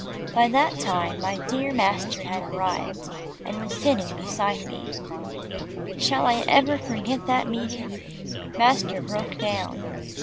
By that time, my dear master had arrived, and was sitting beside me. Shall I ever forget that meeting! Master broke down.